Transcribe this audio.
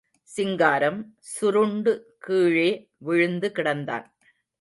சிங்காரம் சுருண்டு கீழே விழுந்து கிடந்தான்.